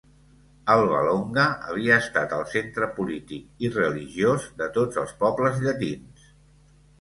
Alba Longa havia estat el centre polític i religiós de tots els pobles llatins.